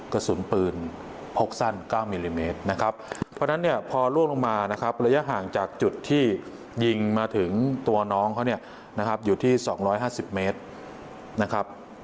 กระสุนปืนพกสั้น๙มิลลิเมตรนะครับเพราะฉะนั้นเนี่ยพอล่วงลงมานะครับระยะห่างจากจุดที่ยิงมาถึงตัวน้องเขาเนี่ยนะครับอยู่ที่๒๕๐เมตรนะครับ